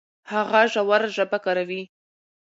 هغه ژوره ژبه کاروي.